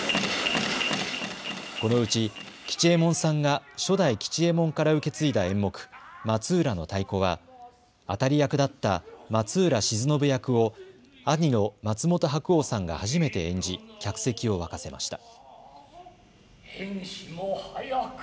このうち吉右衛門さんが初代吉右衛門から受け継いだ演目、松浦の太鼓は当たり役だった松浦鎮信役を兄の松本白鸚さんが初めて演じ客席を沸かせました。